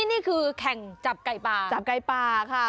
นี่คือแข่งจับไก่ป่าจับไก่ป่าค่ะ